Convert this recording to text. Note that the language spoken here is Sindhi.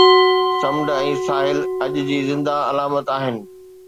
سمنڊ ۽ ساحل اڃ جي زنده علامت آهن